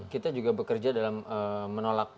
kita juga bekerja dalam menolak